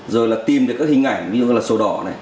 rồi là tìm về các hình ảnh ví dụ là sổ đỏ này